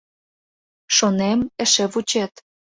Шонем: эше вучет.